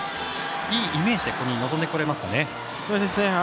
いいイメージでここに臨んでこれますかね。